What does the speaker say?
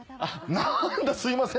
何だ「すいません」